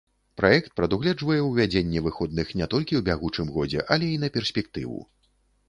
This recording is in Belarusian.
Праект прадугледжвае ўвядзенне выходных не толькі ў бягучым годзе, але і на перспектыву.